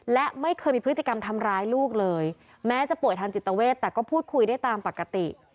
และไม่เคยมีพฤติกรรมทำร้ายลูกเลยแม้จะป่วยทางจิตเวทแต่ก็พูดคุยได้ตามปกติ